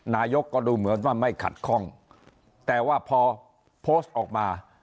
นายกก็ดูเหมือนว่าไม่ขัดข้องแต่ว่าพอโพสต์ออกมา